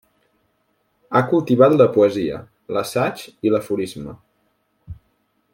Ha cultivat la poesia, l'assaig i l'aforisme.